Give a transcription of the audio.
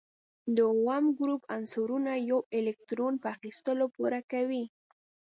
د اووم ګروپ عنصرونه یو الکترون په اخیستلو پوره کوي.